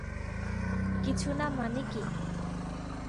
কিছুনা মানে কী?